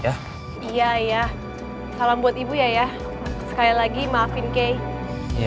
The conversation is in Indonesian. iya ya salam buat ibu ya ya sekali lagi maafin kay